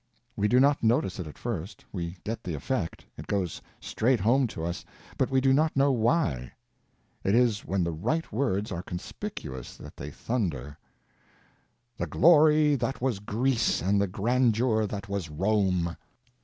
We do not notice it at first. We get the effect, it goes straight home to us, but we do not know why. It is when the right words are conspicuous that they thunder: The glory that was Greece and the grandeur that was Rome!